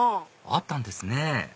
あったんですね